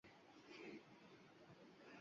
Bo’lmay turib